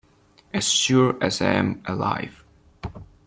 As sure as I am alive